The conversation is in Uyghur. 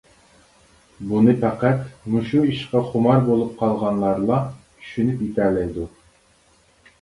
بۇنى پەقەت مۇشۇ ئىشقا خۇمار بولۇپ قالغانلارلا چۈشىنىپ يېتەلەيدۇ.